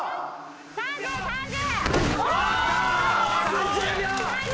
３０３０。